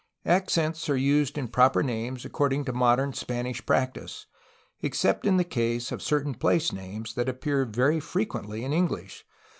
Accents are used in proper names according to modern Spanish practice, except in the case of certain place names that appear very frequently in English.